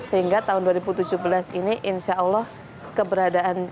sehingga tahun dua ribu tujuh belas ini insya allah keberadaan kita akan lebih baik